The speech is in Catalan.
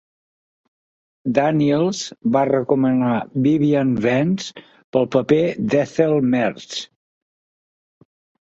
Daniels va recomanar Vivian Vance pel paper d'Ethel Mertz.